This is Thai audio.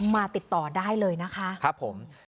มาติดต่อได้เลยนะคะครับผม